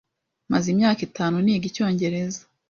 Maze imyaka itanu niga icyongereza.